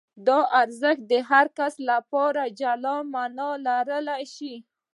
دا ارزښت د هر کس لپاره جلا مانا لرلای شي.